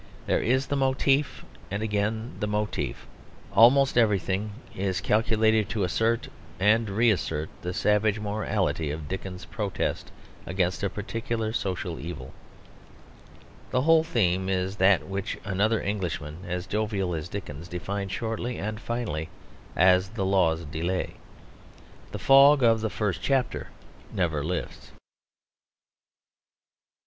There is the motif, and again the motif. Almost everything is calculated to assert and re assert the savage morality of Dickens's protest against a particular social evil. The whole theme is that which another Englishman as jovial as Dickens defined shortly and finally as the law's delay. The fog of the first chapter never lifts.